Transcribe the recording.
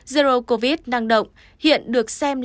zero covid năng động hiện được xem